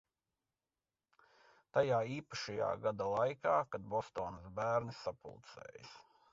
Tajā īpašajā gada laikā, kad Bostonas bērni sapulcējas.